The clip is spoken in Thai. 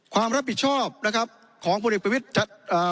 ความรับผิดชอบนะครับของพลเอกประวิทย์อ่า